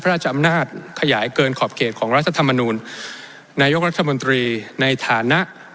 ราชอำนาจขยายเกินขอบเขตของรัฐธรรมนูลนายกรัฐมนตรีในฐานะ